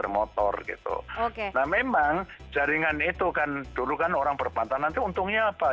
nah memang jaringan itu kan dulu kan orang berpantau nanti untungnya apa